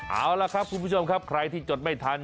เอาล่ะครับคุณผู้ชมครับใครที่จดไม่ทัน